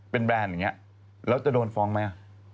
เป็นแบรนด์อย่างนี้แล้วจะโดนฟ้องไหม